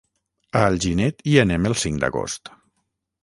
A Alginet hi anem el cinc d'agost.